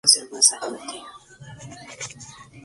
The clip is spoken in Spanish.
En el mismo barrio se construyeron apartamentos.